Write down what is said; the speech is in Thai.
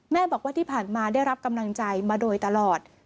แม่บอกว่าที่ผ่านมาได้รับกำลังใจมาโดยตลอด